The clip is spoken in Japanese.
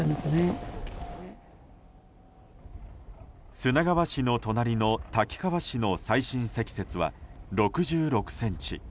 砂川市の隣の滝川市の最深積雪は６６ｃｍ。